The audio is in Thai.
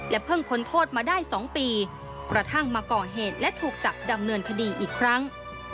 เพิ่งพ้นโทษมาได้๒ปีกระทั่งมาก่อเหตุและถูกจับดำเนินคดีอีกครั้ง